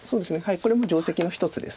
これも定石の一つです。